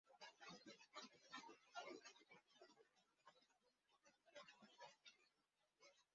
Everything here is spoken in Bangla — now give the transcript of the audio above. কলকাতার প্রেসিডেন্সী কলেজে সহশিক্ষা চালু করার জন্য তাঁর অবদান আছে।